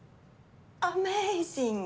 アメイジング！